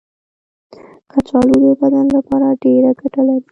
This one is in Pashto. کچالو د بدن لپاره ډېره ګټه لري.